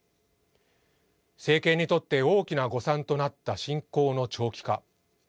政権にとって大きな誤算となった侵攻の長期化。